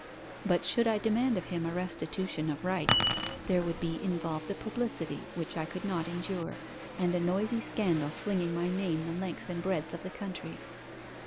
'But should I demand of him a restitution of rights, there would be involved a publicity which I could not endure, and a noisy scandal flinging my name the length and breadth of the country.